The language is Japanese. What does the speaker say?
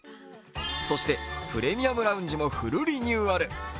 そしてプレミアムラウンジもフルリニューアル。